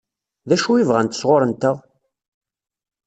D acu i bɣant sɣur-nteɣ?